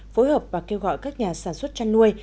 phối hợp và kêu gọi các nhà sản xuất chăn nuôi